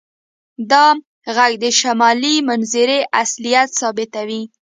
دا غږ د شمالي منظرې اصلیت ثابتوي